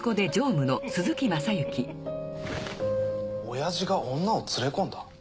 親父が女を連れ込んだ？